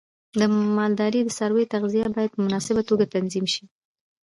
د مالدارۍ د څارویو تغذیه باید په مناسبه توګه تنظیم شي.